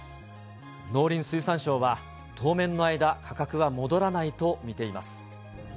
農林水産省は、当面の間、価格は戻らないと見ています。